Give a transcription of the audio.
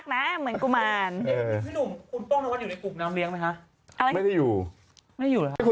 ชั้นอีก